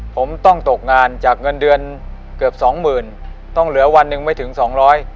ผมต้องตกงานจากเงินเดือนเกือบสองหมื่นต้องเหลือวันหนึ่งไม่ถึงสองร้อย